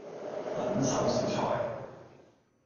撚手小菜